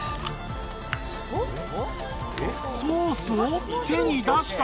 ソースを手に出した。